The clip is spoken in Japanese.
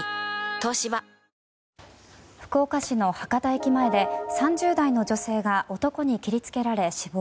東芝福岡市の博多駅前で３０代の女性が男に切りつけられ死亡。